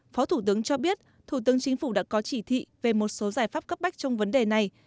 phó thủ tướng cho biết thủ tướng chính phủ đã có chỉ thị về một số giải pháp cấp bách trong vấn đề này